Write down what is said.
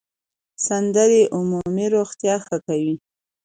سندرې عمومي روغتیا ښه کوي.